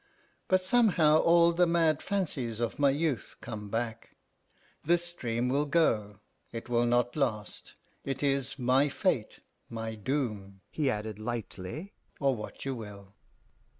But somehow all the mad fancies of my youth come back. This dream will go, it will not last; it is my fate, my doom," he added lightly, "or what you will!"